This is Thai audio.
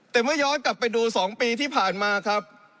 แต่เมื่อย้อนกลับไปดู๒ปีที่ผ่านมาครับ